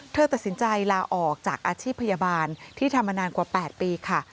เธอตัดสินใจลาออกจากอาชีพพยาบาลที่ทำมานานกว่า๘ปีค่ะ